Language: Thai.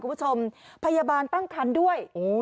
คุณผู้ชมพยาบาลตั้งคันด้วย